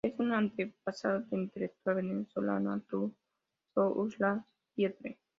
Es un antepasado del intelectual venezolano Arturo Uslar Pietri.